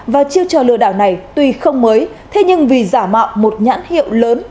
và chiêu trò lừa đảo này tuy không mới thế nhưng vì giả mạo một nhãn hiệu lớn